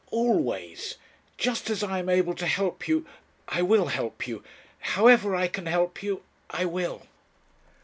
"Always. Just as I am able to help you I will help you. However I can help you, I will."